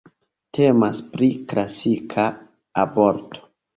Temas pri klasika aborto.